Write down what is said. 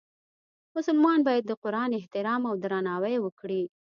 مسلمان باید د قرآن احترام او درناوی وکړي.